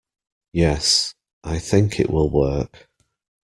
Yes, I think it will work.